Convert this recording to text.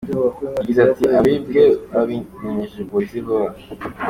Yagize ati "Abibwe babimenyesheje Polisi vuba.